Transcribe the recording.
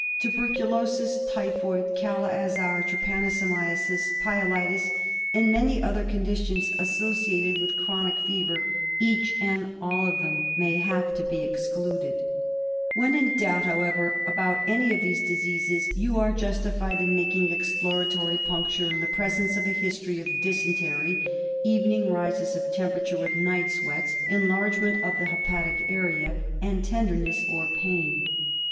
Tuberculosis, typhoid, kala azar, trypanosomiasis, pyelitis and many other conditions associated with chronic ^ever, each and all of them, may have to be excluded. ABSCESS OF THE LIVER. 179 When in doubt, however, about any of these diseases, you are justified in making exploratory puncture in the presence of a history of dysentery, evening rises of tem perature with night sweats, enlargement of the hepatic area, and tenderness or pain.